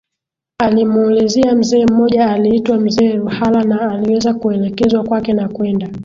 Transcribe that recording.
Alimuulizia mzee mmoja aliitwa mzee Ruhala na aliweza kuelekezwa kwake na kwenda